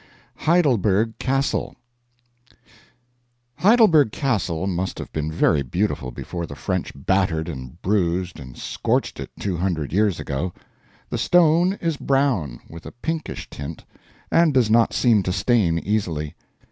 Heidelberg Castle Heidelberg Castle must have been very beautiful before the French battered and bruised and scorched it two hundred years ago. The stone is brown, with a pinkish tint, and does not seem to stain easily.